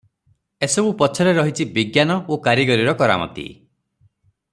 ଏସବୁ ପଛରେ ରହିଛି ବିଜ୍ଞାନ ଓ କାରିଗରୀର କରାମତି ।